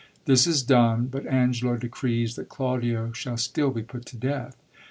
This is done ; but Angelo decrees that Claudio shall stiM be put to death.